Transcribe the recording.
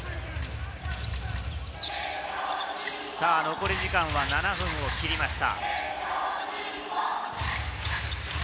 残り時間は７分を切りました。